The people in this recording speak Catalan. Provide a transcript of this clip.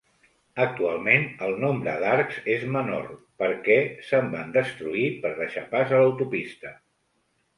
Actualment el nombre d'arcs és menor perquè se'n van destruir per deixar pas a l'autopista.